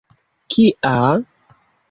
Kia...